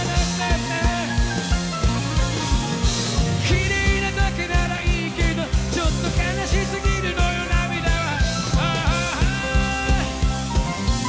「きれいなだけならいいけどちょっと悲しすぎるのよ涙は」